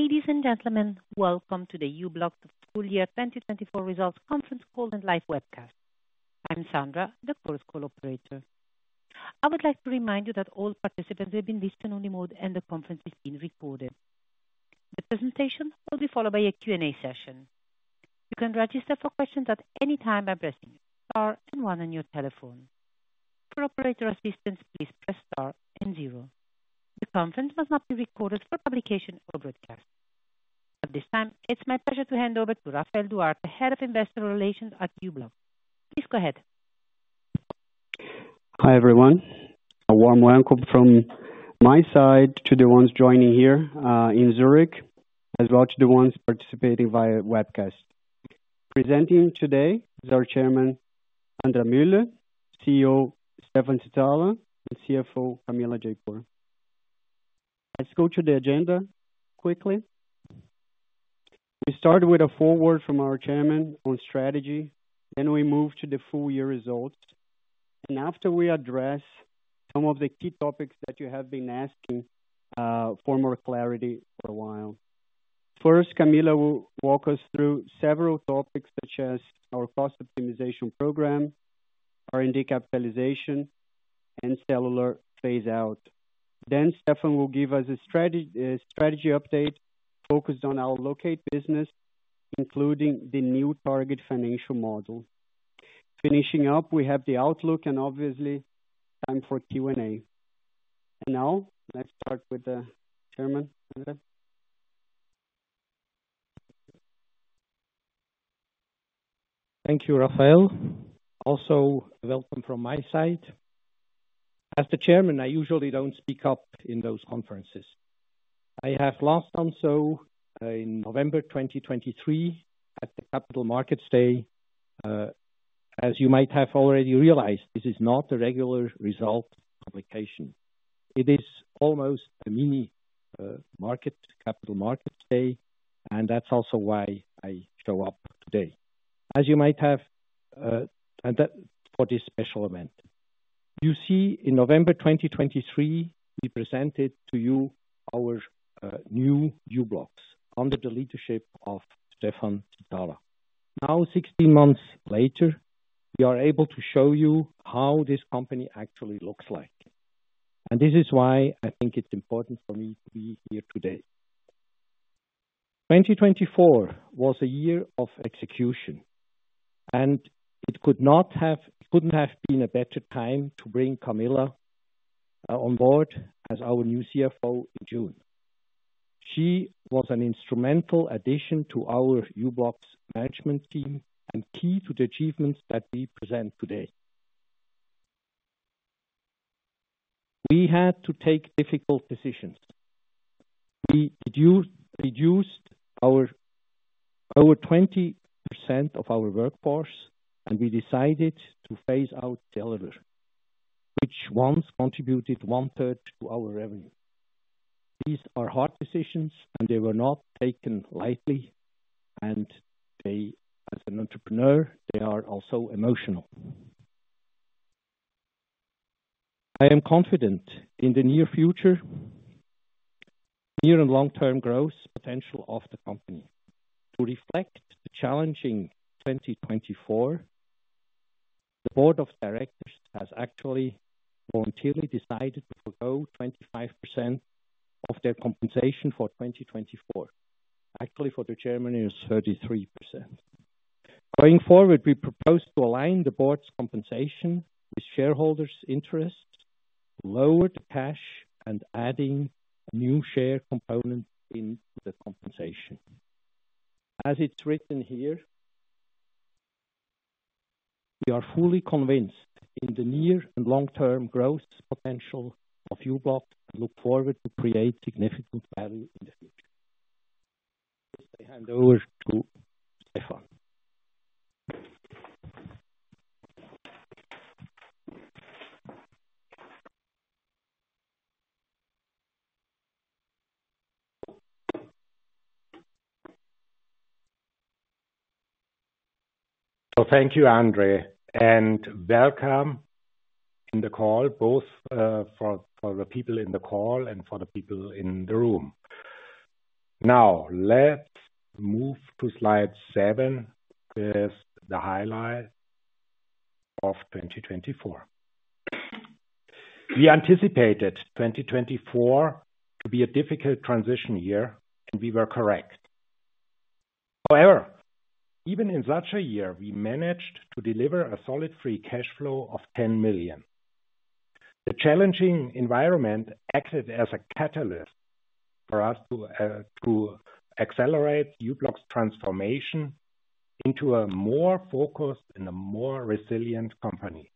Ladies and gentlemen, welcome to the u-blox full year 2024 Results Conference Call and Live Webcast. I'm Sandra, the Chorus Call operator. I would like to remind you that all participants will be in listen-only mode, and the conference is being recorded. The presentation will be followed by a Q&A session. You can register for questions at any time by pressing the star and one on your telephone. For operator assistance, please press star and zero. The conference will not be recorded for publication or broadcast. At this time, it's my pleasure to hand over to Rafael Duarte, Head of Investor Relations at u-blox. Please go ahead. Hi everyone. A warm welcome from my side to the ones joining here in Zürich, as well as to the ones participating via webcast. Presenting today is our Chairman, André Müller, CEO, Stephan Zizala, and CFO, Camila Japur. Let's go to the agenda quickly. We start with a foreword from our Chairman on strategy, then we move to the full year results, and after we address some of the key topics that you have been asking for more clarity for a while. First, Camila will walk us through several topics such as our cost optimization program, R&D capitalization, and cellular phase-out. Then Stephan will give us a strategy update focused on our locate business, including the new target financial model. Finishing up, we have the outlook and obviously time for Q&A. And now, let's start with the Chairman, André. Thank you, Rafael. Also, welcome from my side. As the Chairman, I usually don't speak up in those conferences. I have last done so in November 2023 at the Capital Markets Day, as you might have already realized. This is not a regular result publication. It is almost a mini Capital Markets Day, and that's also why I show up today, as you might have for this special event. You see, in November 2023, we presented to you our new u-blox under the leadership of Stephan Zizala. Now, 16 months later, we are able to show you how this company actually looks like, and this is why I think it's important for me to be here today. 2024 was a year of execution, and it could not have been a better time to bring Camila on board as our new CFO in June. She was an instrumental addition to our u-blox management team and key to the achievements that we present today. We had to take difficult decisions. We reduced our 20% of our workforce, and we decided to phase out cellular, which once contributed 1/3 to our revenue. These are hard decisions, and they were not taken lightly, and they, as an entrepreneur, they are also emotional. I am confident in the near future, near and long-term growth potential of the company. To reflect the challenging 2024, the Board of Directors has actually voluntarily decided to forgo 25% of their compensation for 2024. Actually, for the Chairman, it is 33%. Going forward, we propose to align the board's compensation with shareholders' interests, lower the cash, and add a new share component in the compensation. As it's written here, we are fully convinced in the near and long-term growth potential of u-blox and look forward to create significant value in the future. I hand over to Stephan. Thank you, André, and welcome in the call, both for the people in the call and for the people in the room. Now, let's move to slide seven with the highlight of 2024. We anticipated 2024 to be a difficult transition year, and we were correct. However, even in such a year, we managed to deliver a solid free cash flow of 10 million. The challenging environment acted as a catalyst for us to accelerate u-blox transformation into a more focused and a more resilient company.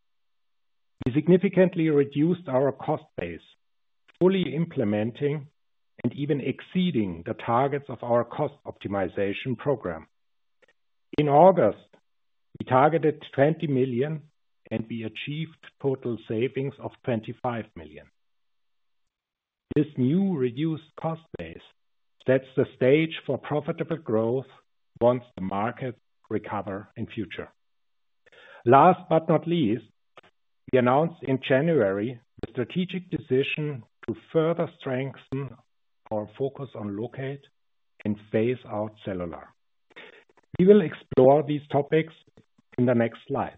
We significantly reduced our cost base, fully implementing and even exceeding the targets of our cost optimization program. In August, we targeted 20 million, and we achieved total savings of 25 million. This new reduced cost base sets the stage for profitable growth once the markets recover in the future. Last but not least, we announced in January the strategic decision to further strengthen our focus on locate and phase out cellular. We will explore these topics in the next slides.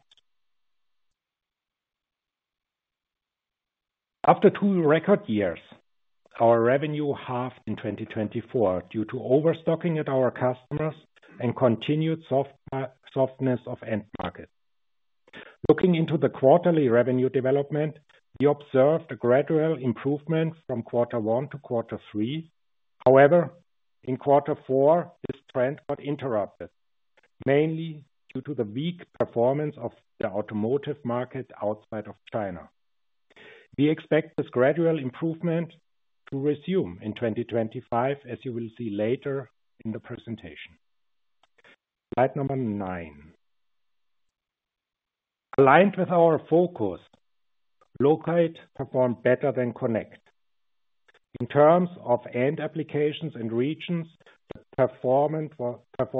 After two record years, our revenue halved in 2024 due to overstocking at our customers and continued softness of end market. Looking into the quarterly revenue development, we observed a gradual improvement from quarter one to quarter three. However, in quarter four, this trend got interrupted, mainly due to the weak performance of the automotive market outside of China. We expect this gradual improvement to resume in 2025, as you will see later in the presentation. Slide number nine. Aligned with our focus, locate performed better than connect. In terms of end applications and regions, the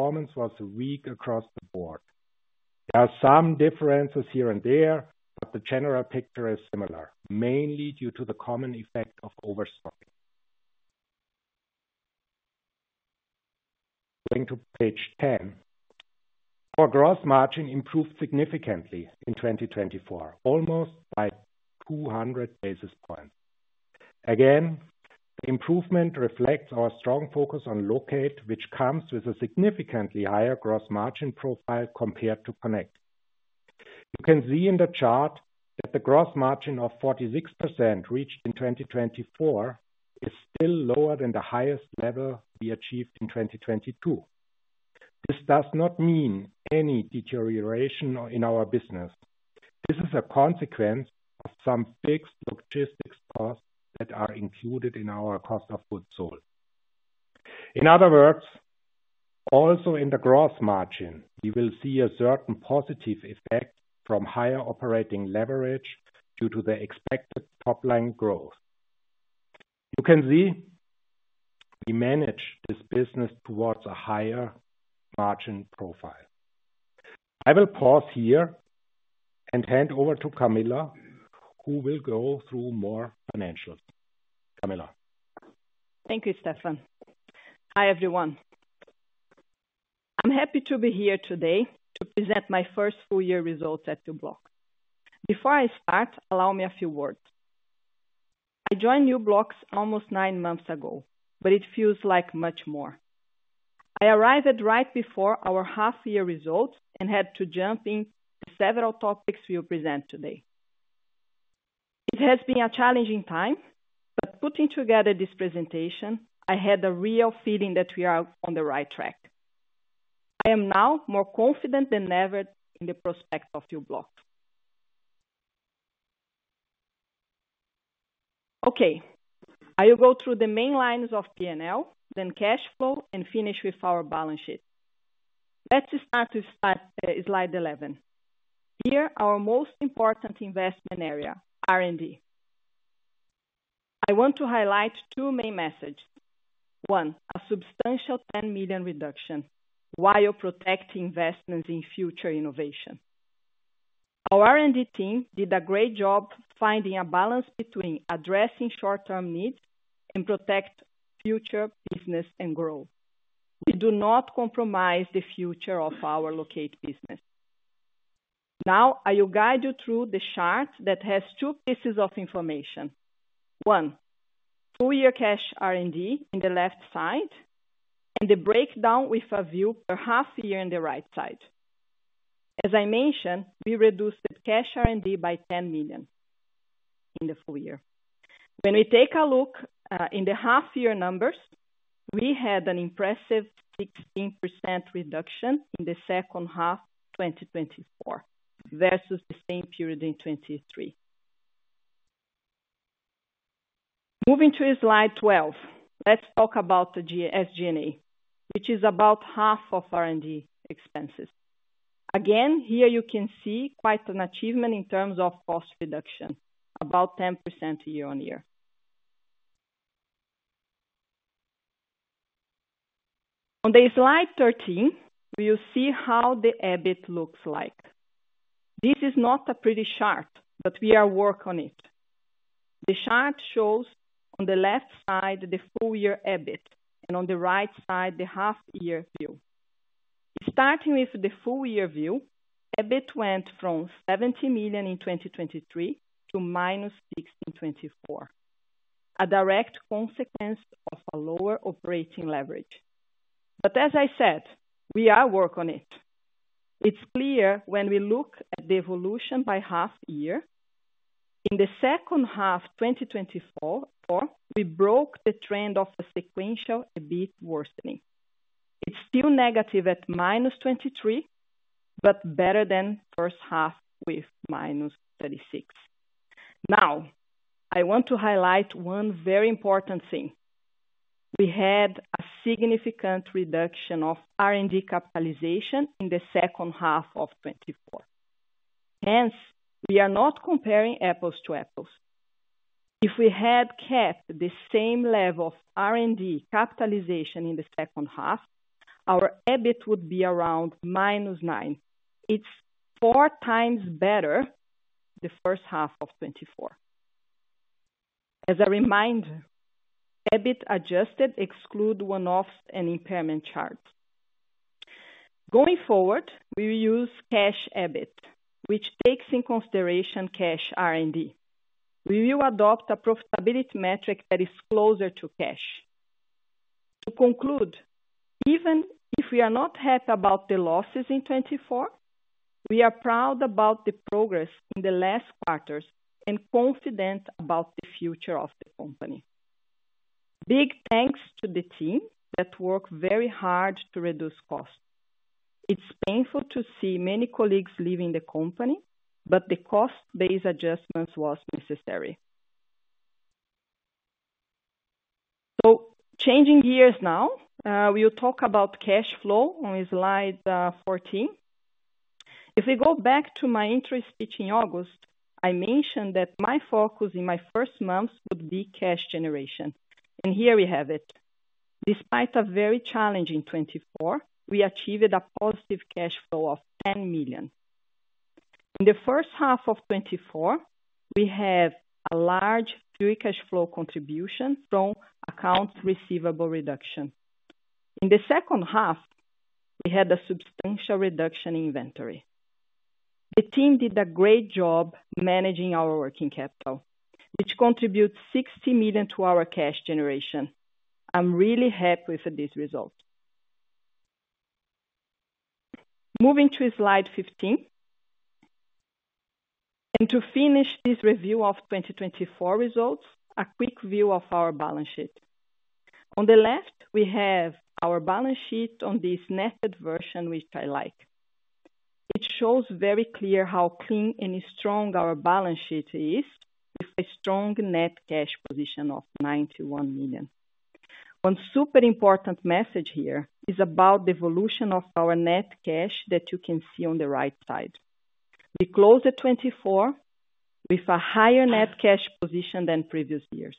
performance was weak across the board. There are some differences here and there, but the general picture is similar, mainly due to the common effect of overstocking. Going to page 10. Our gross margin improved significantly in 2024, almost by 200 basis points. Again, the improvement reflects our strong focus on locate, which comes with a significantly higher gross margin profile compared to connect. You can see in the chart that the gross margin of 46% reached in 2024 is still lower than the highest level we achieved in 2022. This does not mean any deterioration in our business. This is a consequence of some fixed logistics costs that are included in our cost of goods sold. In other words, also in the gross margin, we will see a certain positive effect from higher operating leverage due to the expected top-line growth. You can see we manage this business towards a higher margin profile. I will pause here and hand over to Camila, who will go through more financials. Camila. Thank you, Stephan. Hi, everyone. I'm happy to be here today to present my first full year results at u-blox. Before I start, allow me a few words. I joined u-blox almost nine months ago, but it feels like much more. I arrived right before our half-year results and had to jump into several topics we will present today. It has been a challenging time, but putting together this presentation, I had a real feeling that we are on the right track. I am now more confident than ever in the prospect of u-blox. Okay, I will go through the main lines of P&L, then cash flow, and finish with our balance sheet. Let's start with slide 11. Here, our most important investment area, R&D. I want to highlight two main messages. One, a substantial 10 million reduction while protecting investments in future innovation. Our R&D team did a great job finding a balance between addressing short-term needs and protecting future business and growth. We do not compromise the future of our locate business. Now, I will guide you through the chart that has two pieces of information. One, full year cash R&D in the left side, and the breakdown with a view per half year on the right side. As I mentioned, we reduced the cash R&D by 10 million in the full year. When we take a look at the half-year numbers, we had an impressive 16% reduction in the second half of 2024 versus the same period in 2023. Moving to slide 12, let's talk about the SG&E, which is about half of R&D expenses. Again, here you can see quite an achievement in terms of cost reduction, about 10% year-on-year. On slide 13, we will see how the EBIT looks like. This is not a pretty chart, but we are working on it. The chart shows on the left side the full year EBIT and on the right side the half-year view. Starting with the full year view, EBIT went from 70 million in 2023 to -6 million in 2024, a direct consequence of a lower operating leverage. But as I said, we are working on it. It's clear when we look at the evolution by half year. In the second half of 2024, we broke the trend of the sequential EBIT worsening. It's still negative at -23 million, but better than the first half with -36 million. Now, I want to highlight one very important thing. We had a significant reduction of R&D capitalization in the second half of 2024. Hence, we are not comparing apples to apples. If we had kept the same level of R&D capitalization in the second half, our EBIT would be around -9 million. It's 4x better than the first half of 2024. As a reminder, EBIT adjusted excludes one-offs and impairment charges. Going forward, we will use cash EBIT, which takes into consideration cash R&D. We will adopt a profitability metric that is closer to cash. To conclude, even if we are not happy about the losses in 2024, we are proud about the progress in the last quarters and confident about the future of the company. Big thanks to the team that worked very hard to reduce costs. It's painful to see many colleagues leaving the company, but the cost-based adjustments were necessary. So, changing gears now, we will talk about cash flow on slide 14. If we go back to my entry speech in August, I mentioned that my focus in my first months would be cash generation. And here we have it. Despite a very challenging 2024, we achieved a positive cash flow of 10 million. In the first half of 2024, we had a large free cash flow contribution from accounts receivable reduction. In the second half, we had a substantial reduction in inventory. The team did a great job managing our working capital, which contributed 60 million to our cash generation. I'm really happy with this result. Moving to slide 15. And to finish this review of 2024 results, a quick view of our balance sheet. On the left, we have our balance sheet on this netted version, which I like. It shows very clearly how clean and strong our balance sheet is with a strong net cash position of 91 million. One super important message here is about the evolution of our net cash that you can see on the right side. We closed 2024 with a higher net cash position than previous years.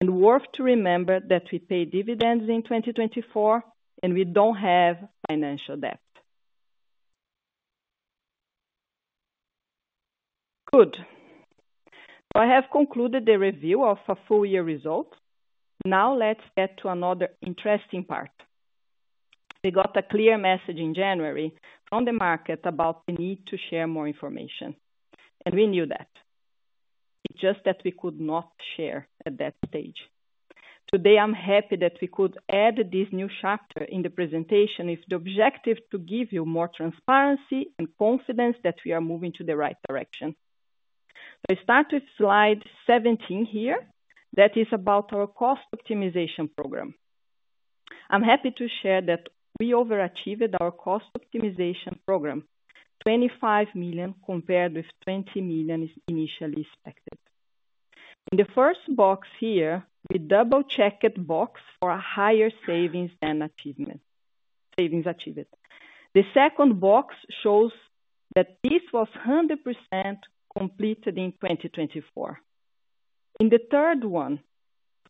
And, worth to remember, that we paid dividends in 2024, and we don't have financial debt. Good. So, I have concluded the review of our full year results. Now, let's get to another interesting part. We got a clear message in January from the market about the need to share more information. And we knew that. It's just that we could not share at that stage. Today, I'm happy that we could add this new chapter in the presentation with the objective to give you more transparency and confidence that we are moving to the right direction. So, I start with slide 17 here, that is about our cost optimization program. I'm happy to share that we overachieved our cost optimization program, 25 million compared with 20 million initially expected. In the first box here, we double-checked box for a higher savings than achievement. Savings achieved. The second box shows that this was 100% completed in 2024. In the third one,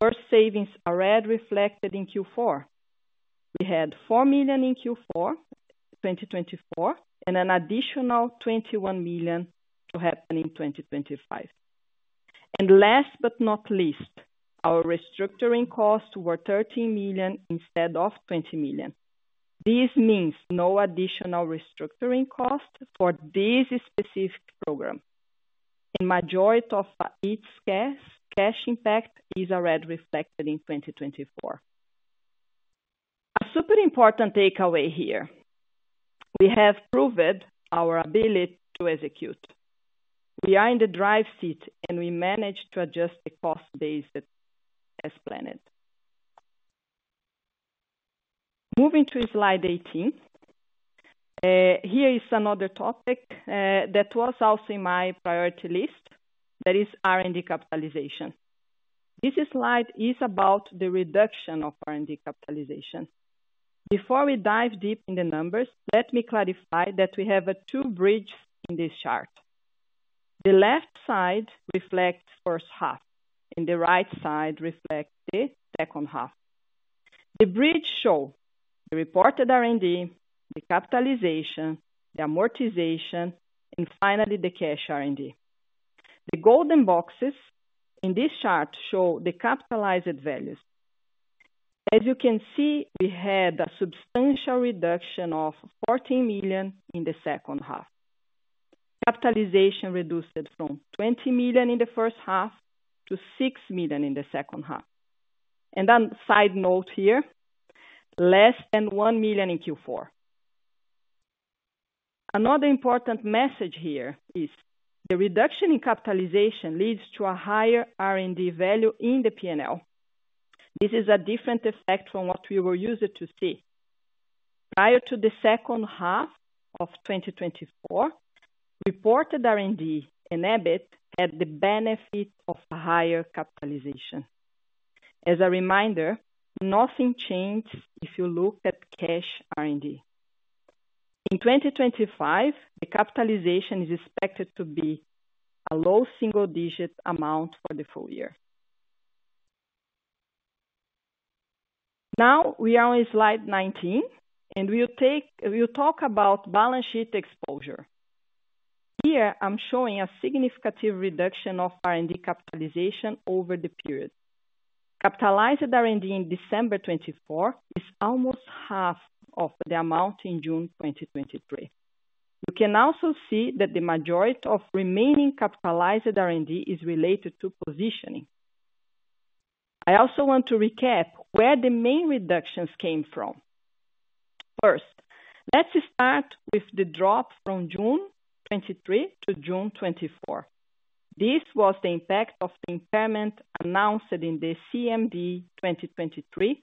our savings are as reflected in Q4. We had 4 million in Q4 2024, and an additional 21 million to happen in 2025. Last but not least, our restructuring costs were 13 million instead of 20 million. This means no additional restructuring cost for this specific program. The majority of its cash impact is as reflected in 2024. A super important takeaway here. We have proved our ability to execute. We are in the driver's seat, and we managed to adjust the cost base as planned. Moving to slide 18. Here is another topic that was also in my priority list. That is R&D capitalization. This slide is about the reduction of R&D capitalization. Before we dive deep in the numbers, let me clarify that we have two bridges in this chart. The left side reflects the first half, and the right side reflects the second half. The bridges show the reported R&D, the capitalization, the amortization, and finally, the cash R&D. The golden boxes in this chart show the capitalized values. As you can see, we had a substantial reduction of 14 million in the second half. Capitalization reduced from 20 million in the first half to 6 million in the second half. And a side note here, less than 1 million in Q4. Another important message here is the reduction in capitalization leads to a higher R&D value in the P&L. This is a different effect from what we were used to see. Prior to the second half of 2024, reported R&D and EBIT had the benefit of a higher capitalization. As a reminder, nothing changes if you look at cash R&D. In 2025, the capitalization is expected to be a low single-digit amount for the full year. Now, we are on slide 19, and we will talk about balance sheet exposure. Here, I'm showing a significant reduction of R&D capitalization over the period. Capitalized R&D in December 2024 is almost half of the amount in June 2023. You can also see that the majority of remaining capitalized R&D is related to positioning. I also want to recap where the main reductions came from. First, let's start with the drop from June 2023 to June 2024. This was the impact of the impairment announced in the CMD 2023,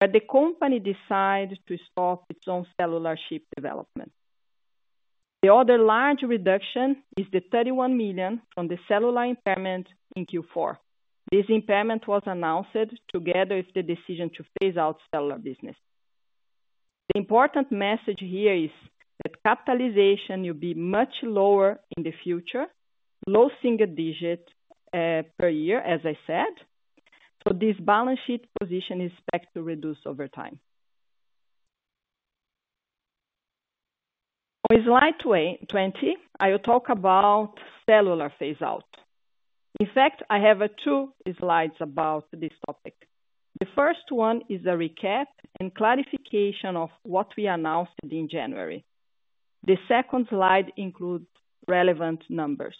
where the company decided to stop its own cellular chip development. The other large reduction is the 31 million from the cellular impairment in Q4. This impairment was announced together with the decision to phase out cellular business. The important message here is that capitalization will be much lower in the future, low single-digit per year, as I said. So, this balance sheet position is expected to reduce over time. On slide 20, I will talk about cellular phase-out. In fact, I have two slides about this topic. The first one is a recap and clarification of what we announced in January. The second slide includes relevant numbers.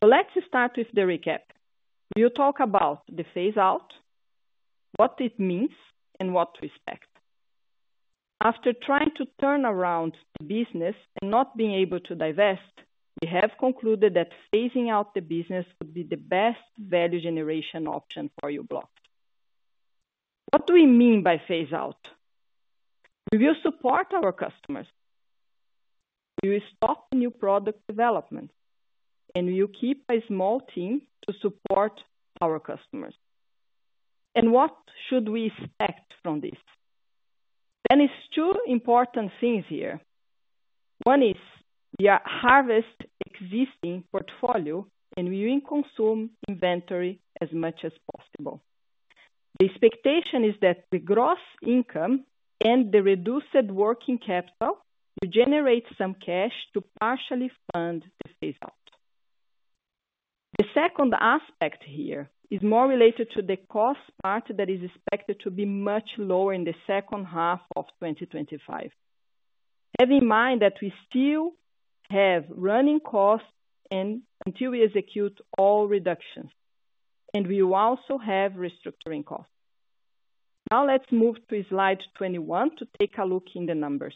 So, let's start with the recap. We will talk about the phase-out, what it means, and what to expect. After trying to turn around the business and not being able to divest, we have concluded that phasing out the business would be the best value generation option for u-blox. What do we mean by phase-out? We will support our customers. We will stop new product development, and we will keep a small team to support our customers. And what should we expect from this? There are two important things here. One is we harvest existing portfolio and we reconsume inventory as much as possible. The expectation is that the gross income and the reduced working capital will generate some cash to partially fund the phase-out. The second aspect here is more related to the cost part that is expected to be much lower in the second half of 2025. Have in mind that we still have running costs until we execute all reductions, and we will also have restructuring costs. Now, let's move to slide 21 to take a look at the numbers.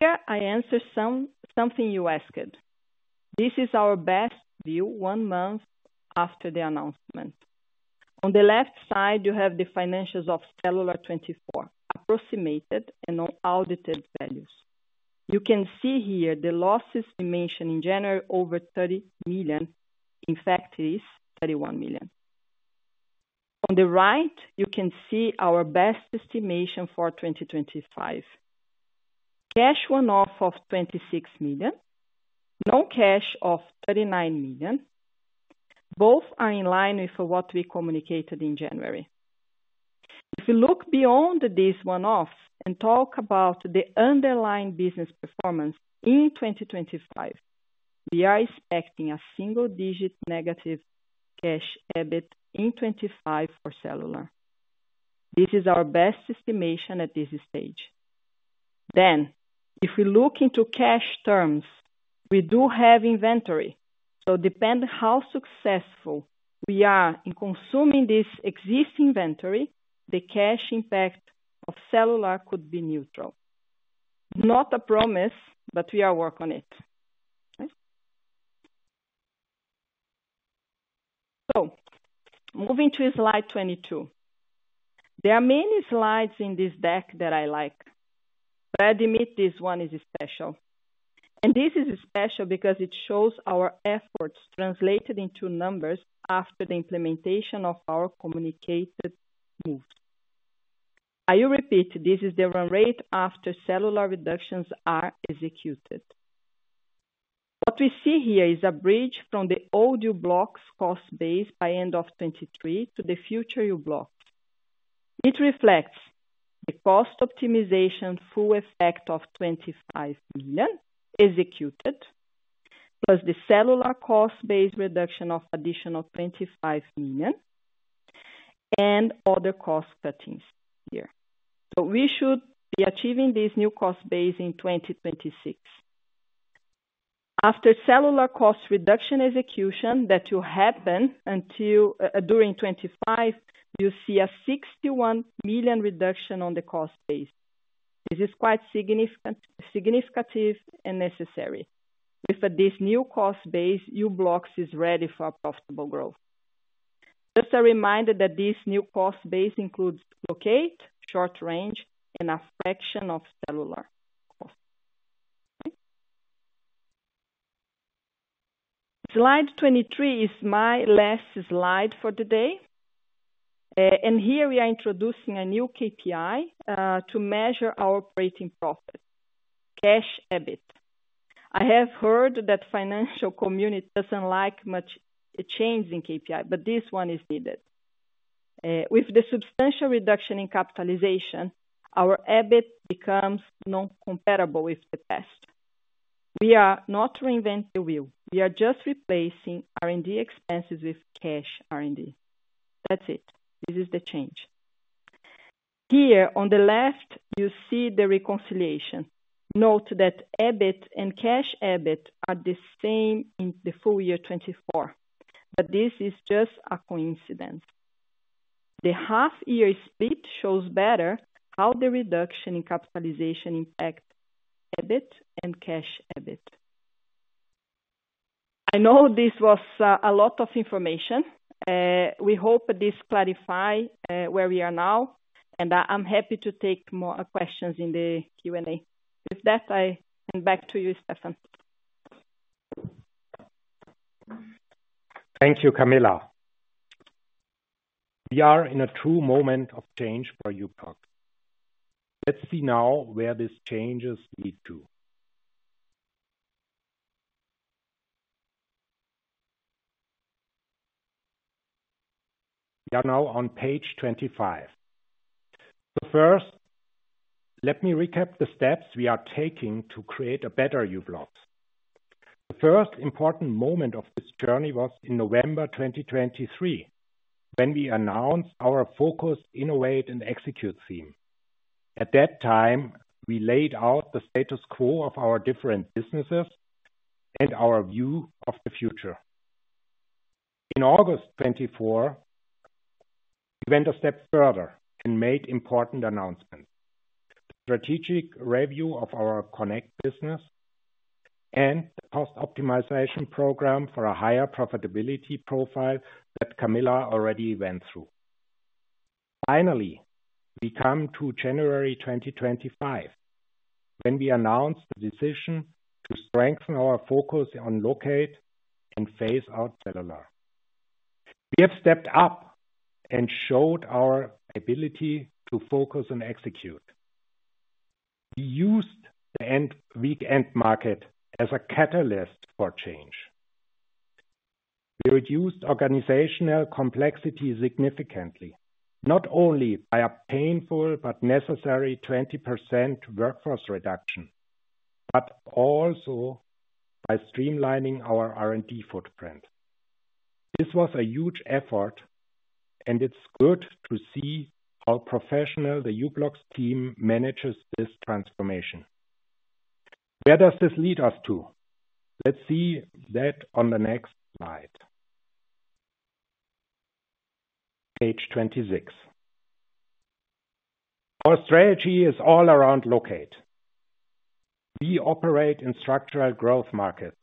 Here, I answered something you asked. This is our best view one month after the announcement. On the left side, you have the financials of cellular 2024, approximated and non-audited values. You can see here the losses we mentioned in January over 30 million. In fact, it is 31 million. On the right, you can see our best estimation for 2025. Cash one-off of 26 million, non-cash of 39 million. Both are in line with what we communicated in January. If we look beyond this one-off and talk about the underlying business performance in 2025, we are expecting a single-digit negative cash EBIT in 2025 for cellular. This is our best estimation at this stage. Then, if we look into cash terms, we do have inventory. So, depending on how successful we are in consuming this existing inventory, the cash impact of cellular could be neutral. Not a promise, but we are working on it. So, moving to slide 22. There are many slides in this deck that I like. But I admit this one is special. And this is special because it shows our efforts translated into numbers after the implementation of our communicated moves. I will repeat, this is the run rate after cellular reductions are executed. What we see here is a bridge from the old u-blox cost base by end of 2023 to the future u-blox. It reflects the cost optimization full effect of 25 million executed, plus the cellular cost base reduction of additional 25 million, and other cost cuttings here. We should be achieving this new cost base in 2026. After cellular cost reduction execution that will happen during 2025, you see a 61 million reduction on the cost base. This is quite significant and necessary. With this new cost base, u-blox is ready for profitable growth. Just a reminder that this new cost base includes locate, short range, and a fraction of cellular cost. Slide 23 is my last slide for today. Here, we are introducing a new KPI to measure our operating profit: cash EBIT. I have heard that the financial community doesn't like much change in KPI, but this one is needed. With the substantial reduction in capitalization, our EBIT becomes non-comparable with the past. We are not reinventing the wheel. We are just replacing R&D expenses with cash R&D. That's it. This is the change. Here, on the left, you see the reconciliation. Note that EBIT and cash EBIT are the same in the full year 2024, but this is just a coincidence. The half-year split shows better how the reduction in capitalization impacts EBIT and cash EBIT. I know this was a lot of information. We hope this clarifies where we are now, and I'm happy to take more questions in the Q&A. With that, I hand back to you, Stephan. Thank you, Camila. We are in a true moment of change for u-blox. Let's see now where these changes lead to. We are now on page 25, so first, let me recap the steps we are taking to create a better u-blox. The first important moment of this journey was in November 2023, when we announced our focus innovate and execute theme. At that time, we laid out the status quo of our different businesses and our view of the future. In August 2024, we went a step further and made important announcements: the strategic review of our connect business and the cost optimization program for a higher profitability profile that Camila already went through. Finally, we come to January 2025, when we announced the decision to strengthen our focus on locate and phase-out cellular. We have stepped up and showed our ability to focus and execute. We used the weekend market as a catalyst for change. We reduced organizational complexity significantly, not only by a painful but necessary 20% workforce reduction, but also by streamlining our R&D footprint. This was a huge effort, and it's good to see how professionally the u-blox team manages this transformation. Where does this lead us to? Let's see that on the next slide. Page 26. Our strategy is all around locate. We operate in structural growth markets,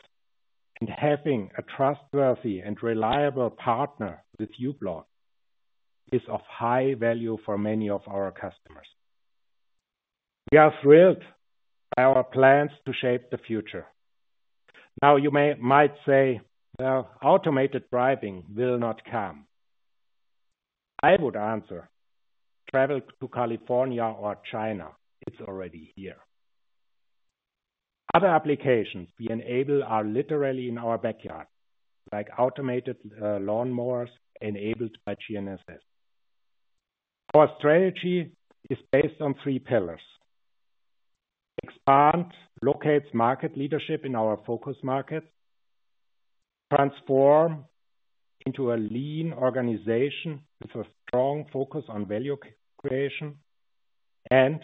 and having a trustworthy and reliable partner with u-blox is of high value for many of our customers. We are thrilled by our plans to shape the future. Now, you might say, "Well, automated driving will not come." I would answer, "Travel to California or China is already here." Other applications we enable are literally in our backyard, like automated lawn mowers enabled by GNSS. Our strategy is based on three pillars: expand locate market leadership in our focus markets, transform into a lean organization with a strong focus on value creation, and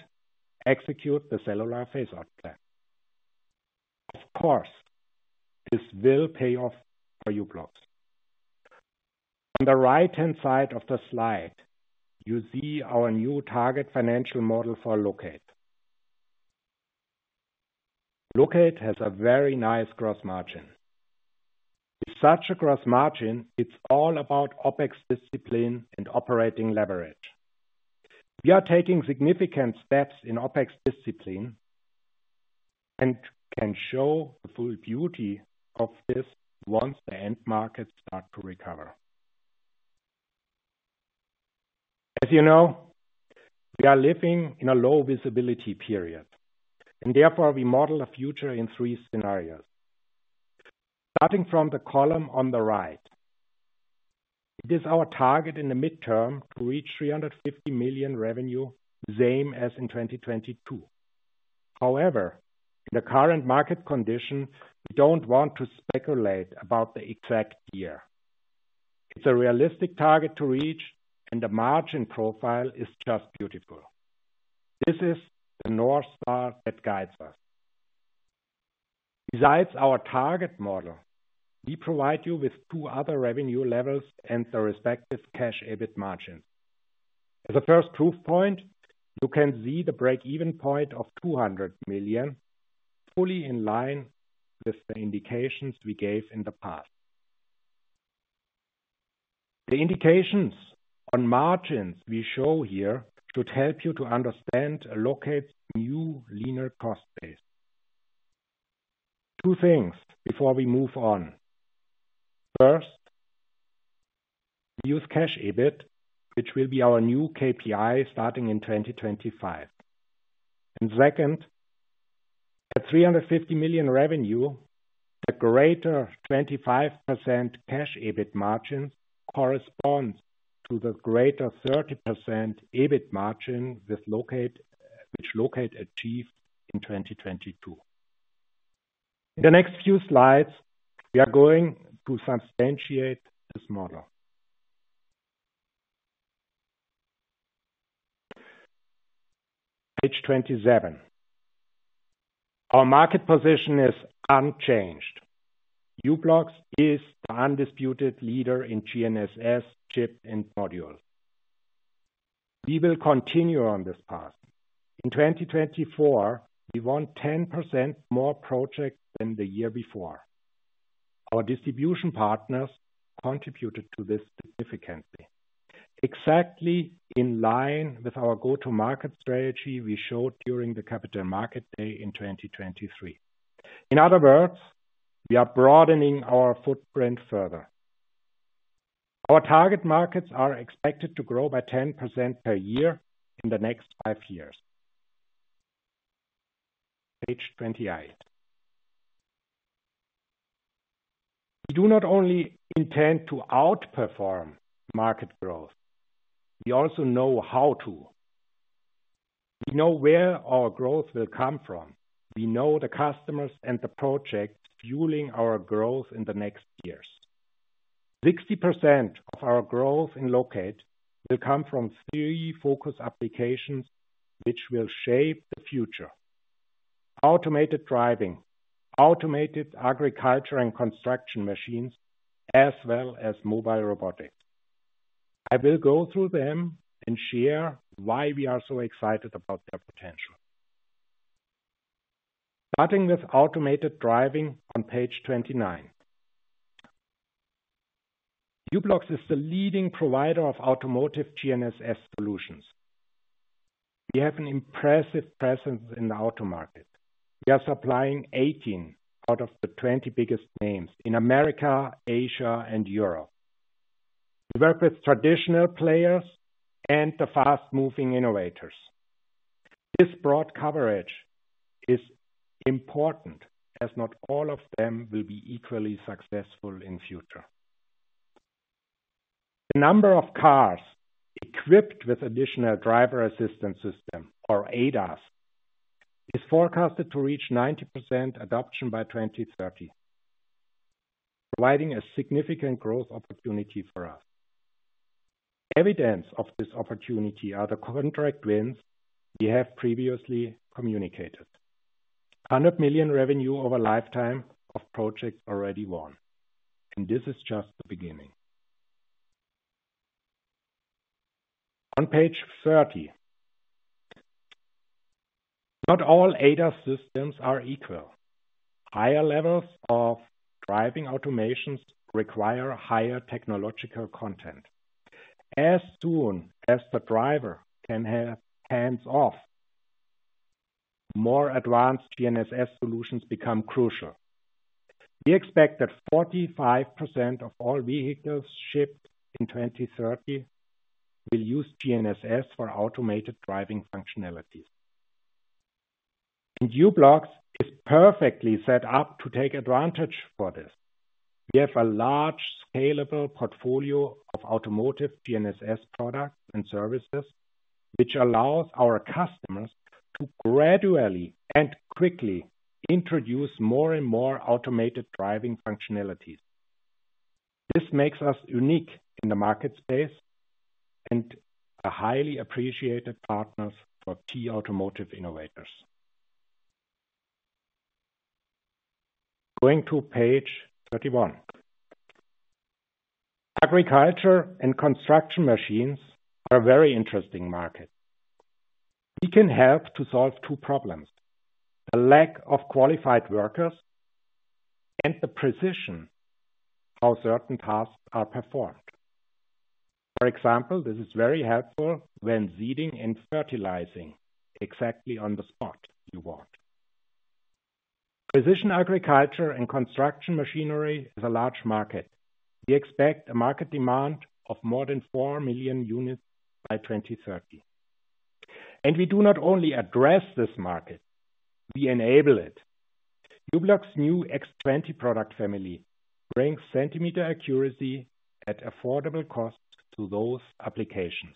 execute the cellular phase-out plan. Of course, this will pay off for u-blox. On the right-hand side of the slide, you see our new target financial model for locate. Locate has a very nice gross margin. With such a gross margin, it's all about OpEx discipline and operating leverage. We are taking significant steps in OpEx discipline and can show the full beauty of this once the end markets start to recover. As you know, we are living in a low visibility period, and therefore, we model a future in three scenarios. Starting from the column on the right, it is our target in the midterm to reach 350 million revenue, same as in 2022. However, in the current market condition, we don't want to speculate about the exact year. It's a realistic target to reach, and the margin profile is just beautiful. This is the North Star that guides us. Besides our target model, we provide you with two other revenue levels and the respective cash EBIT margins. As a first proof point, you can see the break-even point of 200 million, fully in line with the indications we gave in the past. The indications on margins we show here should help you to understand locate's new leaner cost base. Two things before we move on. First, we use cash EBIT, which will be our new KPI starting in 2025. And second, at 350 million revenue, the greater 25% cash EBIT margin corresponds to the greater 30% EBIT margin with locate which locate achieved in 2022. In the next few slides, we are going to substantiate this model. Page 27. Our market position is unchanged. u-blox is the undisputed leader in GNSS chip and modules. We will continue on this path. In 2024, we want 10% more projects than the year before. Our distribution partners contributed to this significantly. Exactly in line with our go-to-market strategy we showed during the Capital Market Day in 2023. In other words, we are broadening our footprint further. Our target markets are expected to grow by 10% per year in the next five years. Page 28. We do not only intend to outperform market growth. We also know how to. We know where our growth will come from. We know the customers and the projects fueling our growth in the next years. 60% of our growth in locate will come from three focus applications which will shape the future: automated driving, automated agriculture and construction machines, as well as mobile robotics. I will go through them and share why we are so excited about their potential. Starting with automated driving on page 29. U-blox is the leading provider of automotive GNSS solutions. We have an impressive presence in the auto market. We are supplying 18 out of the 20 biggest names in America, Asia, and Europe. We work with traditional players and the fast-moving innovators. This broad coverage is important, as not all of them will be equally successful in the future. The number of cars equipped with additional driver assistance system, or ADAS, is forecasted to reach 90% adoption by 2030, providing a significant growth opportunity for us. Evidence of this opportunity are the contract wins we have previously communicated: 100 million revenue over lifetime of projects already won. This is just the beginning. On page 30. Not all ADAS systems are equal. Higher levels of driving automations require higher technological content. As soon as the driver can have hands-off, more advanced GNSS solutions become crucial. We expect that 45% of all vehicles shipped in 2030 will use GNSS for automated driving functionalities. U-blox is perfectly set up to take advantage for this. We have a large scalable portfolio of automotive GNSS products and services, which allows our customers to gradually and quickly introduce more and more automated driving functionalities. This makes us unique in the market space and highly appreciated partners for key automotive innovators. Going to page 31. Agriculture and construction machines are a very interesting market. We can help to solve two problems: the lack of qualified workers and the precision of how certain tasks are performed. For example, this is very helpful when seeding and fertilizing exactly on the spot you want. Precision agriculture and construction machinery is a large market. We expect a market demand of more than four million units by 2030. And we do not only address this market, we enable it. U-blox's new X20 product family brings centimeter accuracy at affordable costs to those applications.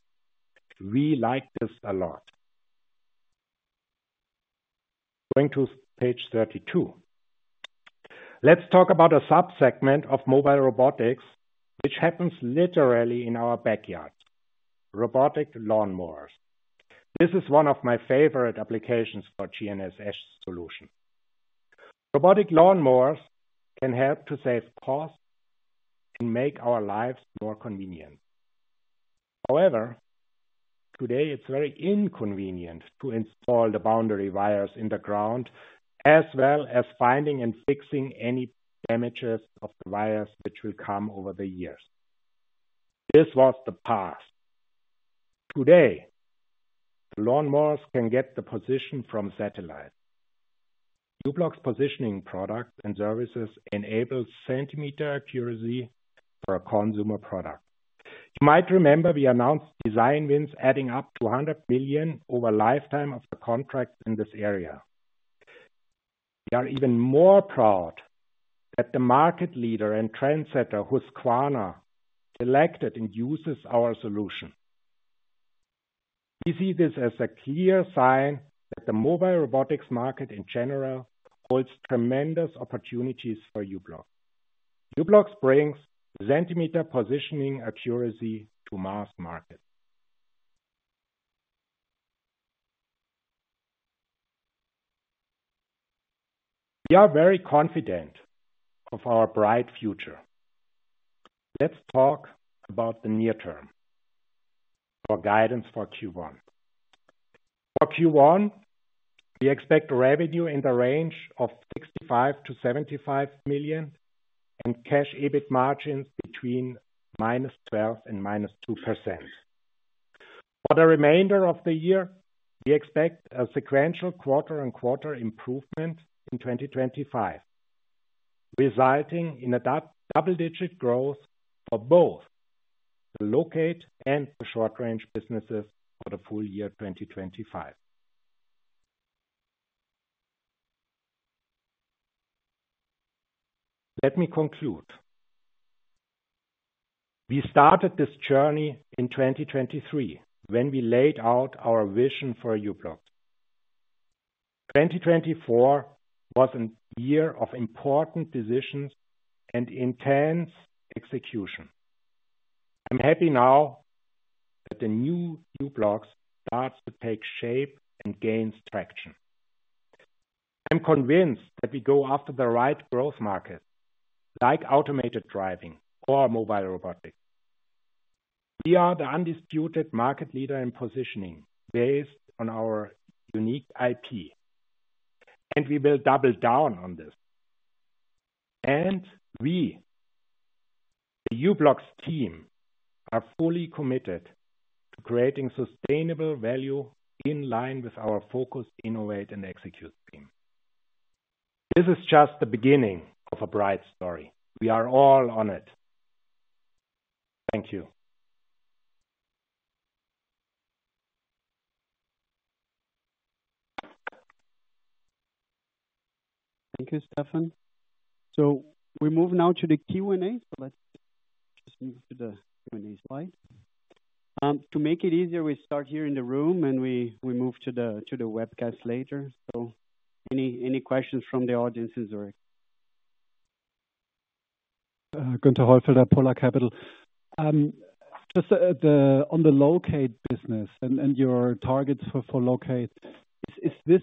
We like this a lot. Going to page 32. Let's talk about a subsegment of mobile robotics, which happens literally in our backyard: robotic lawn mowers. This is one of my favorite applications for GNSS solutions. Robotic lawn mowers can help to save costs and make our lives more convenient. However, today, it's very inconvenient to install the boundary wires in the ground, as well as finding and fixing any damages of the wires which will come over the years. This was the past. Today, the lawn mowers can get the position from satellite. U-blox's positioning products and services enable centimeter accuracy for a consumer product. You might remember we announced design wins adding up to 100 million over lifetime of the contract in this area. We are even more proud that the market leader and trendsetter Husqvarna selected and uses our solution. We see this as a clear sign that the mobile robotics market in general holds tremendous opportunities for u-blox. u-blox brings centimeter positioning accuracy to mass market. We are very confident of our bright future. Let's talk about the near-term for guidance for Q1. For Q1, we expect revenue in the range of 65 million-75 million and cash EBIT margins between -12% and -2%. For the remainder of the year, we expect a sequential quarter-on-quarter improvement in 2025, resulting in a double-digit growth for both the locate and the short-range businesses for the full year 2025. Let me conclude. We started this journey in 2023 when we laid out our vision for u-blox. 2024 was a year of important decisions and intense execution. I'm happy now that the new u-blox starts to take shape and gains traction. I'm convinced that we go after the right growth markets, like automated driving or mobile robotics. We are the undisputed market leader in positioning based on our unique IP, and we will double down on this. And we, the u-blox team, are fully committed to creating sustainable value in line with our focus, innovate, and execute team. This is just the beginning of a bright story. We are all on it. Thank you. Thank you, Stephan. So we move now to the Q&A. So let's just move to the Q&A slide. To make it easier, we start here in the room, and we move to the webcast later. So any questions from the audience in Zürich? Guenther Hollfelder, Polar Capital. Just on the locate business and your targets for locate, is this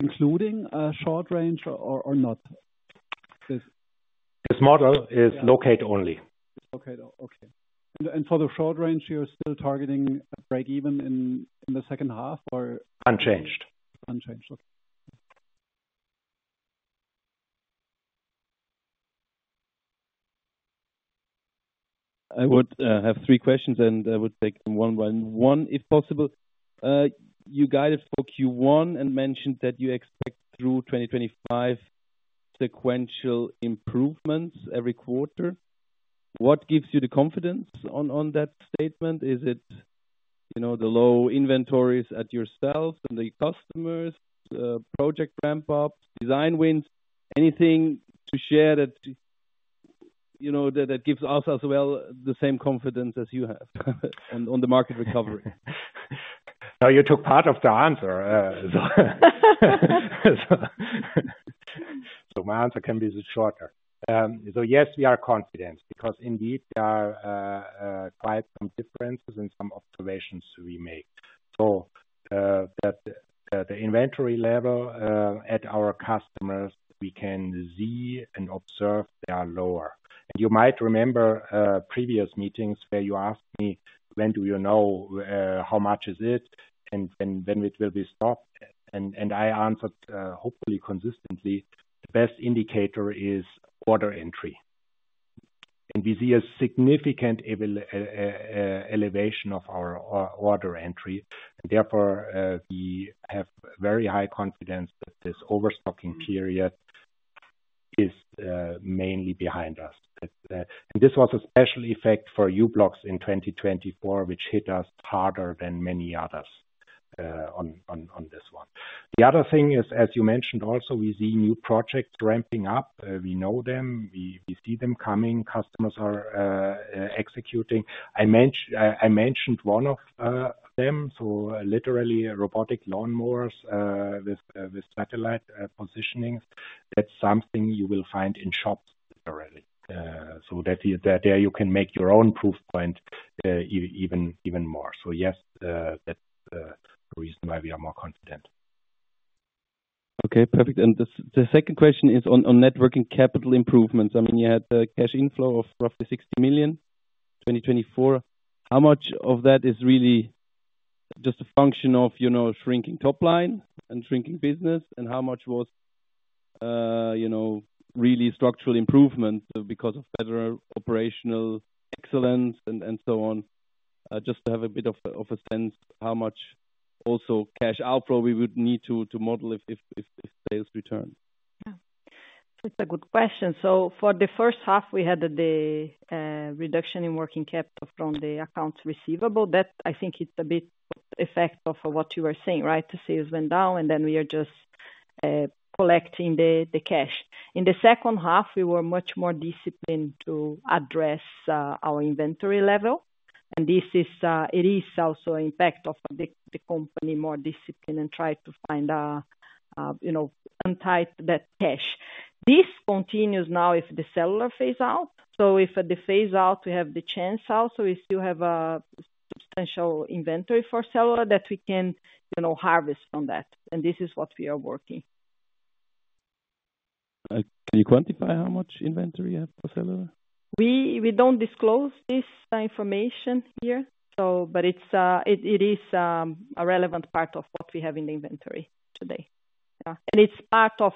including a short range or not? This model is locate only. Locate? Okay. And for the short range, you're still targeting break-even in the second half or? Unchanged. Unchanged? Okay. I would have three questions, and I would take them one by one, if possible. You guided for Q1 and mentioned that you expect through 2025 sequential improvements every quarter. What gives you the confidence on that statement? Is it the low inventories at yourself and the customers, project ramp-ups, design wins? Anything to share that gives us as well the same confidence as you have on the market recovery? No, you took part of the answer. So my answer can be shorter. So yes, we are confident because indeed there are quite some differences in some observations we make. So the inventory level at our customers, we can see and observe they are lower. You might remember previous meetings where you asked me, "When do you know how much is it, and when it will be stopped?" I answered, hopefully consistently, "The best indicator is order entry." We see a significant elevation of our order entry. Therefore, we have very high confidence that this overstocking period is mainly behind us. This was a special effect for u-blox in 2024, which hit us harder than many others on this one. The other thing is, as you mentioned also, we see new projects ramping up. We know them. We see them coming. Customers are executing. I mentioned one of them, so literally robotic lawn mowers with satellite positioning. That's something you will find in shops, literally. Yes, that's the reason why we are more confident. Okay, perfect. The second question is on net working capital improvements. I mean, you had the cash inflow of roughly 60 million in 2024. How much of that is really just a function of shrinking top line and shrinking business? And how much was really structural improvement because of better operational excellence and so on? Just to have a bit of a sense how much also cash outflow we would need to model if sales returned. Yeah. It's a good question. So for the first half, we had the reduction in working capital from the accounts receivable. That I think it's a bit of the effect of what you were saying, right? The sales went down, and then we are just collecting the cash. In the second half, we were much more disciplined to address our inventory level. And this is also an impact of the company more disciplined and try to find and tighten that cash. This continues now if the cellular phase out. So if the phase out, we have the chance also, we still have a substantial inventory for cellular that we can harvest from that. And this is what we are working. Can you quantify how much inventory you have for cellular? We don't disclose this information here, but it is a relevant part of what we have in the inventory today. And it's part of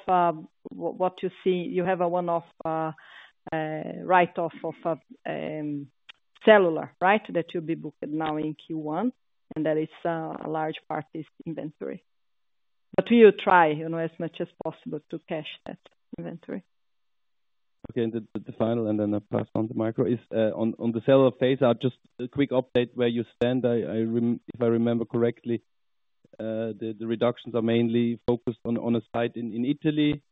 what you see. You have a one-off write-off of cellular, right, that will be booked now in Q1. And that is a large part of this inventory. But we will try as much as possible to cash that inventory. Okay, the final, and then I'll pass on to the mic. On the cellular phase-out, just a quick update where you stand. If I remember correctly, the reductions are mainly focused on a site in Italy.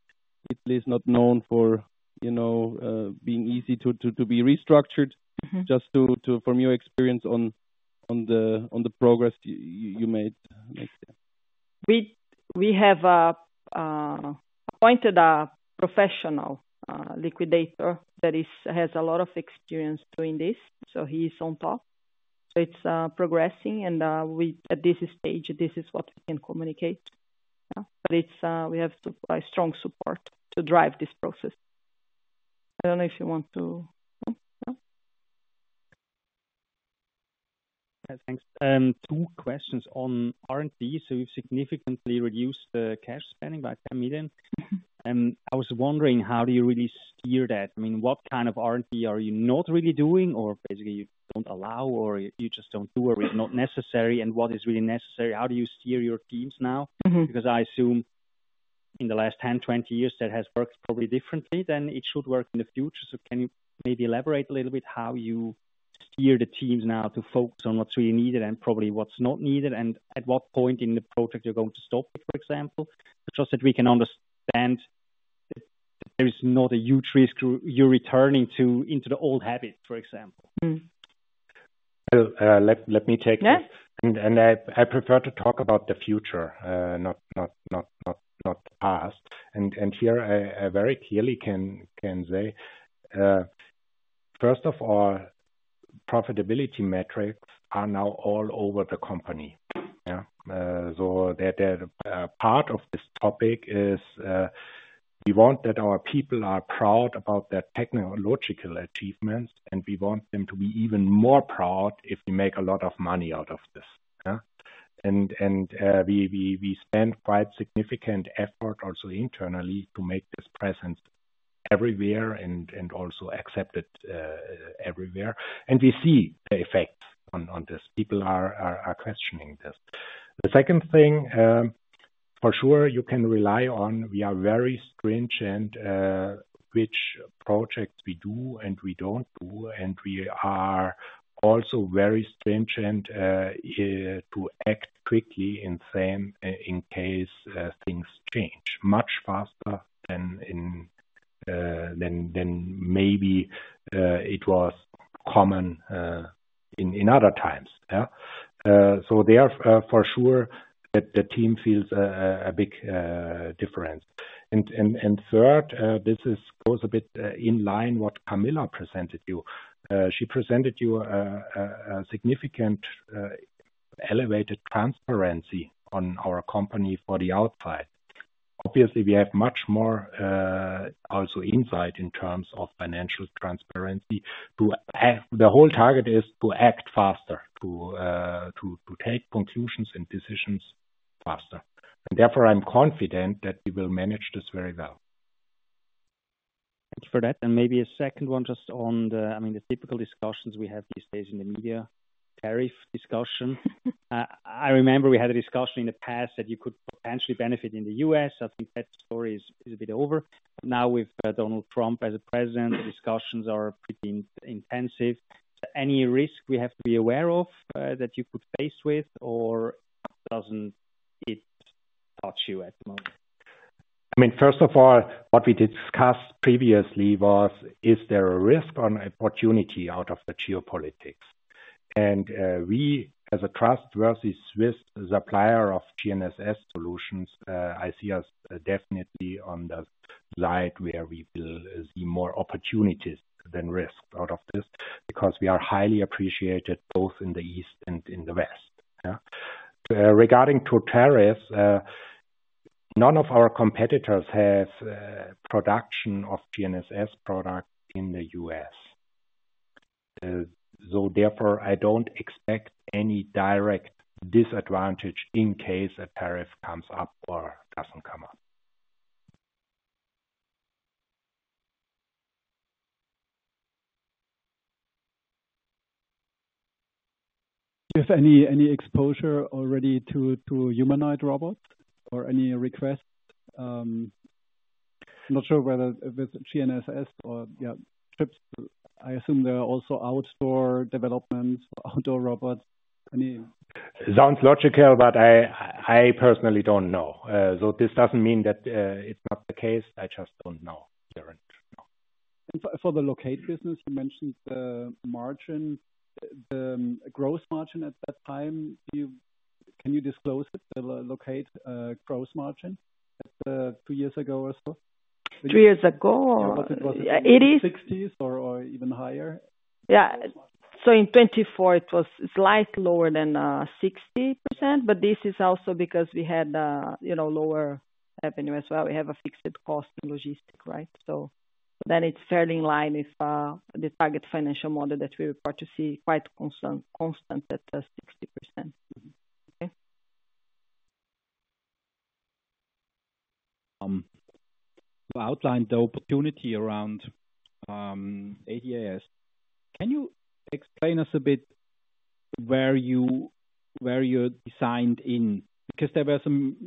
Italy is not known for being easy to be restructured. Just from your experience on the progress you made, next step. We have appointed a professional liquidator that has a lot of experience doing this. So he's on top. It's progressing. And at this stage, this is what we can communicate. But we have strong support to drive this process. I don't know if you want to. Thanks. Two questions on R&D. So you've significantly reduced the cash spending by 10 million. I was wondering, how do you really steer that? I mean, what kind of R&D are you not really doing, or basically you don't allow, or you just don't do, or it's not necessary? And what is really necessary? How do you steer your teams now? Because I assume in the last 10, 20 years, that has worked probably differently than it should work in the future. So can you maybe elaborate a little bit how you steer the teams now to focus on what's really needed and probably what's not needed? And at what point in the project you're going to stop it, for example? Just that we can understand that there is not a huge risk you're returning to into the old habits, for example. Let me take this. Yeah. And I prefer to talk about the future, not the past. And here, I very clearly can say, first of all, profitability metrics are now all over the company. So part of this topic is we want that our people are proud about their technological achievements, and we want them to be even more proud if we make a lot of money out of this. And we spend quite significant effort also internally to make this presence everywhere and also accepted everywhere. And we see the effects on this. People are questioning this. The second thing, for sure, you can rely on we are very stringent which projects we do and we don't do. And we are also very stringent to act quickly in case things change, much faster than maybe it was common in other times. So there, for sure, the team feels a big difference. And third, this goes a bit in line with what Camila presented to you. She presented to you a significant elevated transparency on our company for the outside. Obviously, we have much more also insight in terms of financial transparency. The whole target is to act faster, to take conclusions and decisions faster. And therefore, I'm confident that we will manage this very well. Thank you for that. And maybe a second one just on the, I mean, the typical discussions we have these days in the media, tariff discussion. I remember we had a discussion in the past that you could potentially benefit in the U.S. I think that story is a bit over. Now, with Donald Trump as the president, the discussions are pretty intensive. Any risk we have to be aware of that you could face with, or doesn't it touch you at the moment? I mean, first of all, what we discussed previously was, is there a risk or an opportunity out of the geopolitics? We, as a trustworthy Swiss supplier of GNSS solutions, I see us definitely on the side where we will see more opportunities than risks out of this because we are highly appreciated both in the East and in the West. Regarding tariffs, none of our competitors have production of GNSS products in the U.S. So therefore, I don't expect any direct disadvantage in case a tariff comes up or doesn't come up. Do you have any exposure already to humanoid robots or any requests? Not sure whether with GNSS or chips. I assume there are also outdoor developments, outdoor robots. Any? Sounds logical, but I personally don't know. So this doesn't mean that it's not the case. I just don't know. For the locate business, you mentioned the margin, the gross margin at that time. Can you disclose it, the locate gross margin two years ago or so? Two years ago or... 60s or even higher? Yeah. So in 2024, it was slightly lower than 60%, but this is also because we had lower revenue as well. We have a fixed cost in logistics, right? So then it's fairly in line with the target financial model that we report to see quite constant at 60%. Okay? To outline the opportunity around ADAS, can you explain us a bit where you're designed in? Because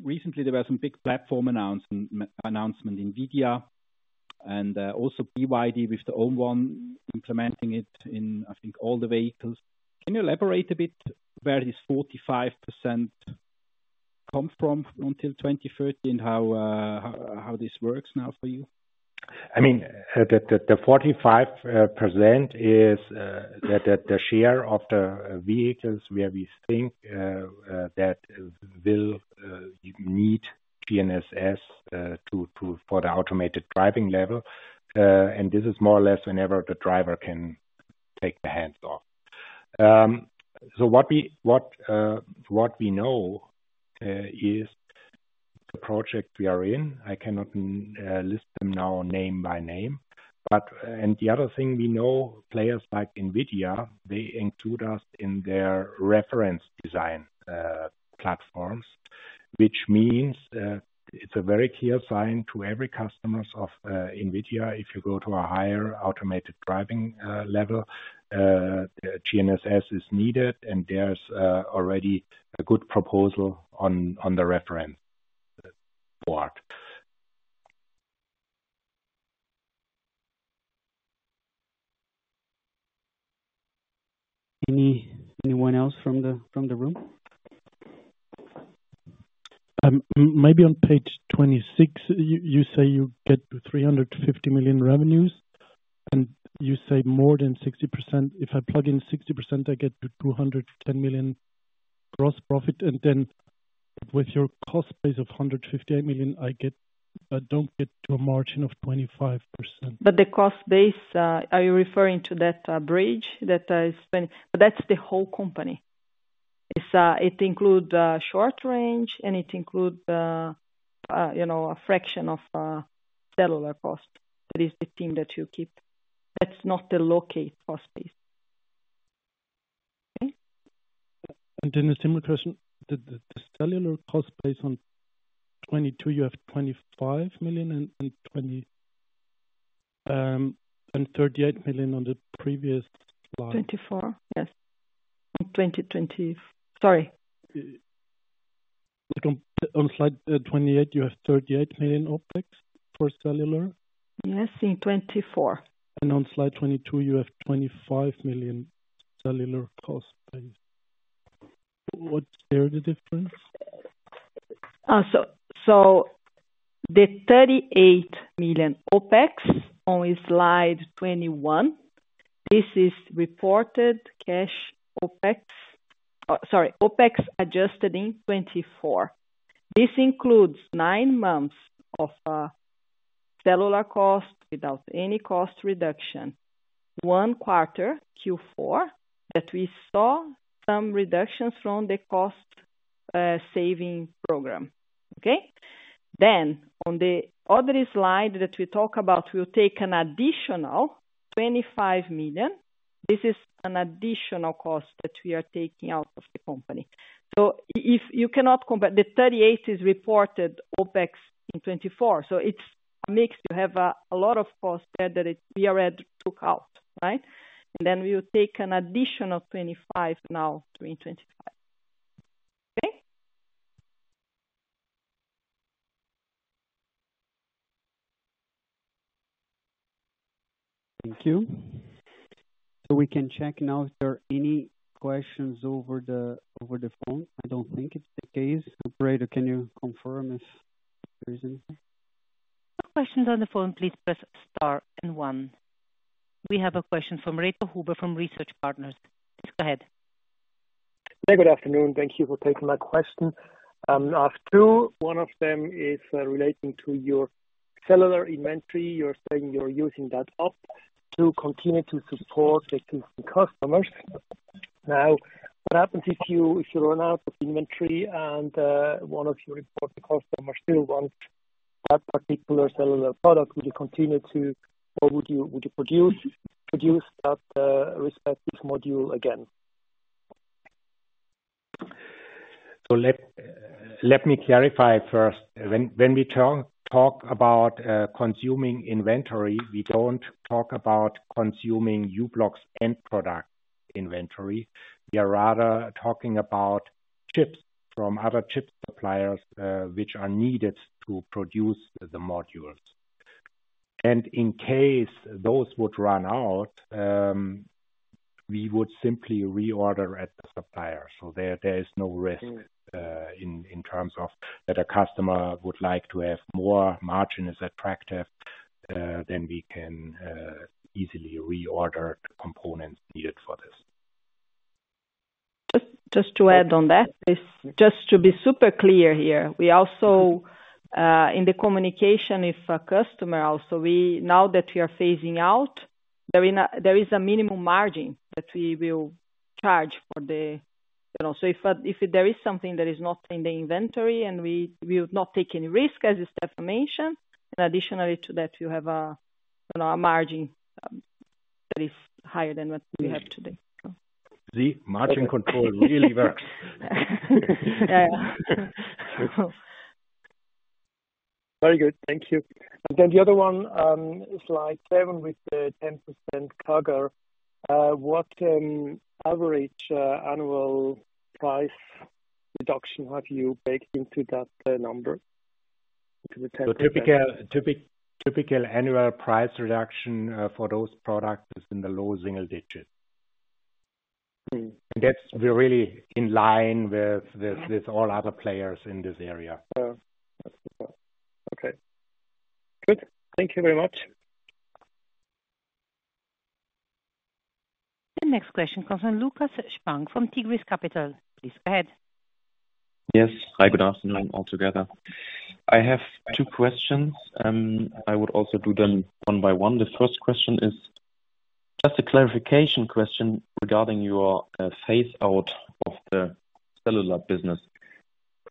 recently, there were some big platform announcements, NVIDIA, and also BYD with their own one implementing it in, I think, all the vehicles. Can you elaborate a bit where this 45% comes from until 2030 and how this works now for you? I mean, the 45% is the share of the vehicles where we think that will need GNSS for the automated driving level. And this is more or less whenever the driver can take the hands off. So what we know is the project we are in. I cannot list them now name by name. And the other thing we know, players like NVIDIA, they include us in their reference design platforms, which means it's a very clear sign to every customer of NVIDIA, if you go to a higher automated driving level, GNSS is needed, and there's already a good proposal on the reference board. Anyone else from the room? Maybe on page 26, you say you get to 350 million revenues. And you say more than 60%. If I plug in 60%, I get to 210 million gross profit. And then with your cost base of 158 million, I don't get to a margin of 25%. But the cost base, are you referring to that bridge that is 20? But that's the whole company. It includes short range, and it includes a fraction of cellular cost. It is the team that you keep. That's not the locate cost base. Okay? And then the same question, the cellular cost base on 2022, you have 25 million and 38 million on the previous slide. 2024? Yes. On 2020-, sorry. On slide 28, you have 38 million OpEx for cellular. Yes, in 2024. And on slide 22, you have 25 million cellular cost base. What's the difference there? So the 38 million OpEx on slide 21, this is reported cash OpEx. Sorry, OpEx adjusted in 2024. This includes nine months of cellular cost without any cost reduction, one quarter Q4 that we saw some reductions from the cost saving program. Okay? Then on the other slide that we talk about, we'll take an additional 25 million. This is an additional cost that we are taking out of the company. So you cannot compare. The 38 million is reported OpEx in 2024. So it's a mix. You have a lot of cost there that we already took out, right? And then we will take an additional 25 million now in 2025. Okay? Thank you. So we can check now if there are any questions over the phone. I don't think it's the case. Operator, can you confirm if there is anything? No questions on the phone, please press star and one. We have a question from Reto Huber from Research Partners. Please go ahead. Hi, good afternoon. Thank you for taking my question. I have two. One of them is relating to your cellular inventory. You're saying you're using that up to continue to support the customers. Now, what happens if you run out of inventory and one of your customers still wants that particular cellular product? Would you continue to produce that respective module again? So let me clarify first. When we talk about consuming inventory, we don't talk about consuming u-blox and product inventory. We are rather talking about chips from other chip suppliers which are needed to produce the modules. And in case those would run out, we would simply reorder at the supplier. So there is no risk in terms of that. A customer would like to have more. Margin is attractive, then we can easily reorder the components needed for this. Just to add on that, just to be super clear here, we also in the communication with our customer, also now that we are phasing out, there is a minimum margin that we will charge for the, so if there is something that is not in the inventory and we will not take any risk, as Steph mentioned, and additionally to that, you have a margin that is higher than what we have today. The margin control really works. Yeah. Very good. Thank you. And then the other one is slide 7 with the 10% CAGR. What average annual price reduction have you baked into that number? The typical annual price reduction for those products is in the low single digits. And that's really in line with all other players in this area. Okay. Good. Thank you very much. The next question comes from Lukas Spang from Tigris Capital. Please go ahead. Yes. Hi, good afternoon all together. I have two questions. I would also do them one by one. The first question is just a clarification question regarding your phase-out of the cellular business.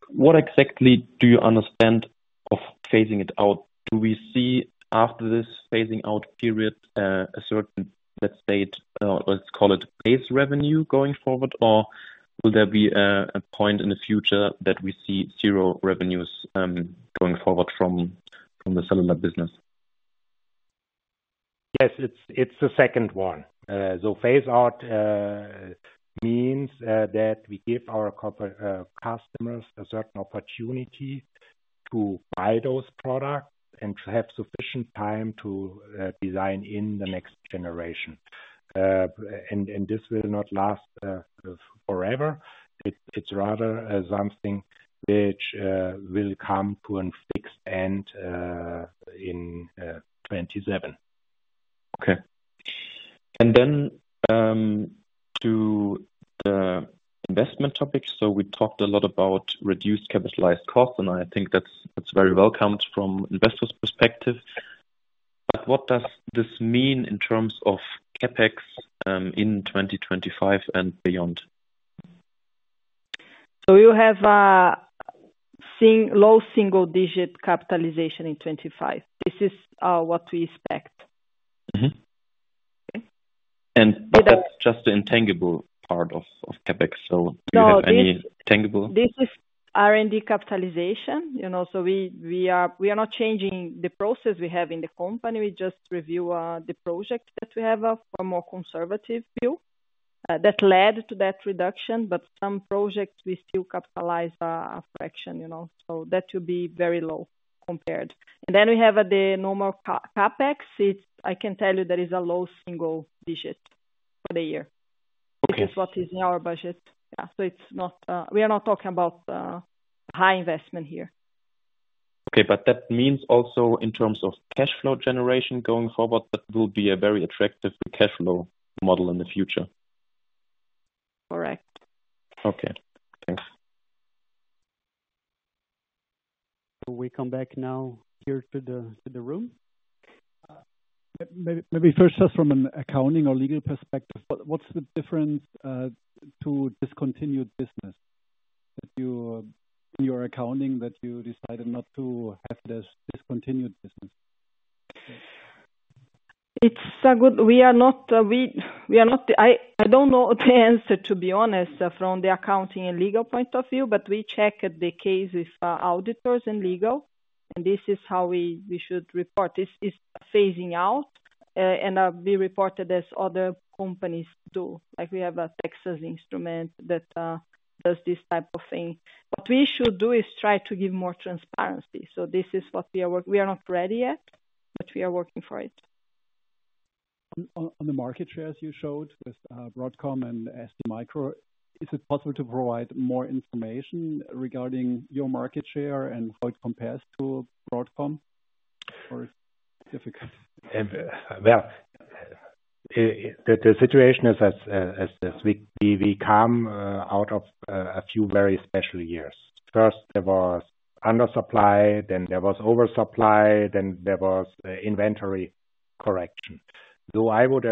What exactly do you understand of phasing it out? Do we see after this phasing-out period a certain, let's say, let's call it base revenue going forward, or will there be a point in the future that we see zero revenues going forward from the cellular business? Yes, it's the second one. So phase-out means that we give our customers a certain opportunity to buy those products and to have sufficient time to design in the next generation. And this will not last forever. It's rather something which will come to an end in 2027. Okay. And then to the investment topic. So we talked a lot about reduced capitalized costs, and I think that's very welcomed from an investor's perspective. But what does this mean in terms of CapEx in 2025 and beyond? So we will have a low single-digit capitalization in 2025. This is what we expect. Okay? And that's just the intangible part of CapEx. So do you have any tangible? This is R&D capitalization. So we are not changing the process we have in the company. We just review the project that we have for a more conservative view that led to that reduction, but some projects we still capitalize a fraction. So that will be very low compared. And then we have the normal CapEx. I can tell you there is a low single digit for the year. This is what is in our budget. Yeah. So we are not talking about high investment here. Okay. But that means also in terms of cash flow generation going forward, that will be a very attractive cash flow model in the future. Correct. Okay. Thanks. Shall we come back now here to the room? Maybe first, just from an accounting or legal perspective, what's the difference to discontinued business? In your accounting, that you decided not to have this discontinued business? We are not the—I don't know the answer, to be honest, from the accounting and legal point of view, but we checked the case with auditors and legal, and this is how we should report. It's phasing out, and we reported as other companies do. We have a Texas Instruments that does this type of thing. What we should do is try to give more transparency. So this is what we are working—we are not ready yet, but we are working for it. On the market share, as you showed with Broadcom and STMicro, is it possible to provide more information regarding your market share and how it compares to Broadcom? Or is it difficult? Well, the situation is as we come out of a few very special years. First, there was undersupply, then there was oversupply, then there was inventory correction. So I would,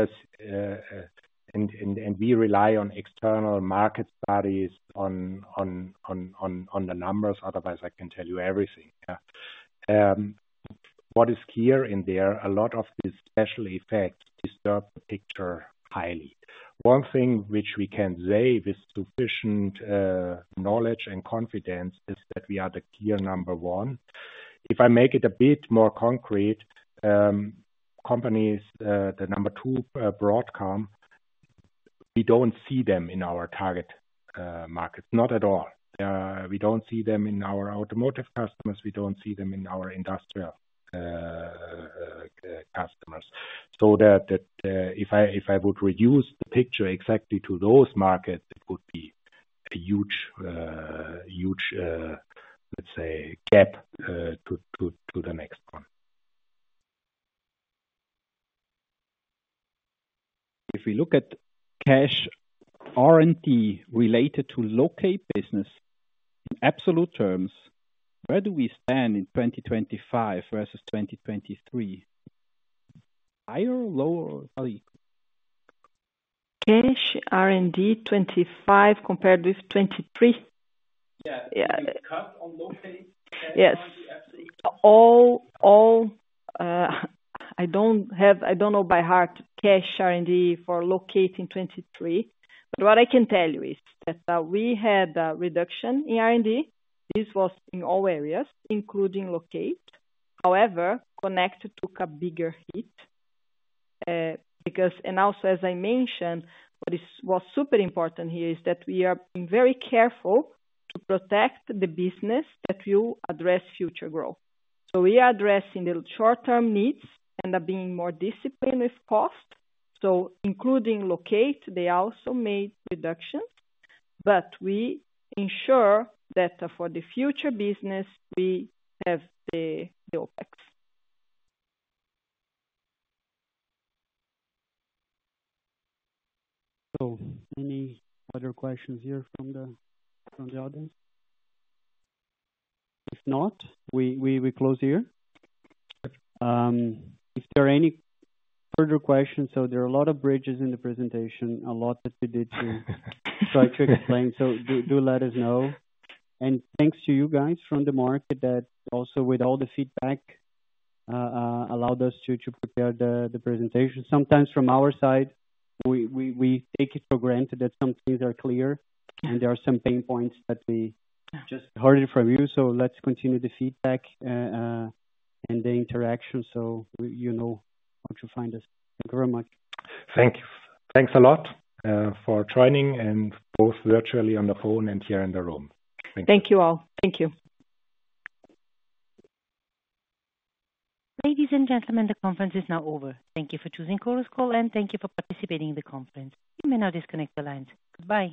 and we rely on external market studies on the numbers. Otherwise, I can tell you everything. What is clear in there, a lot of these special effects disturb the picture highly. One thing which we can say with sufficient knowledge and confidence is that we are the clear number one. If I make it a bit more concrete, companies, the number two, Broadcom, we don't see them in our target markets. Not at all. We don't see them in our automotive customers. We don't see them in our industrial customers. So if I would reduce the picture exactly to those markets, it would be a huge, let's say, gap to the next one. If we look at cash R&D related to locate business in absolute terms, where do we stand in 2025 versus 2023? Higher or lower? Sorry. Cash R&D 2025 compared with 2023? Yeah. Cash on locate? Yes. I don't know by heart cash R&D for locate in 2023. But what I can tell you is that we had a reduction in R&D. This was in all areas, including locate. However, connect took a bigger hit because, and also, as I mentioned, what was super important here is that we are very careful to protect the business that will address future growth. So we are addressing the short-term needs and being more disciplined with cost. So including locate, they also made reductions. But we ensure that for the future business, we have the OpEx. So any other questions here from the audience? If not, we close here. If there are any further questions, so there are a lot of bridges in the presentation, a lot that we did to try to explain. So do let us know. And thanks to you guys from the market that also with all the feedback allowed us to prepare the presentation. Sometimes from our side, we take it for granted that some things are clear, and there are some pain points that we just heard from you. So let's continue the feedback and the interaction so you know what you find us. Thank you very much. Thank you. Thanks a lot for joining and both virtually on the phone and here in the room. Thank you. Thank you all. Thank you. Ladies and gentlemen, the conference is now over. Thank you for choosing Chorus Call, and thank you for participating in the conference. You may now disconnect the lines. Goodbye.